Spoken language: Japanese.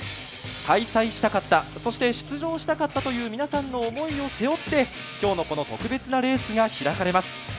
開催したかった、そして出場したかったという皆さんの思いを背負って今日のこの特別なレースが開かれます。